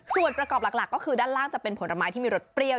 ส่วนประกอบหลักก็คือด้านล่างจะเป็นผลไม้ที่มีรสเปรี้ยว